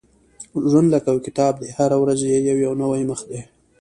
• ژوند لکه یو کتاب دی، هره ورځ یې یو نوی مخ دی.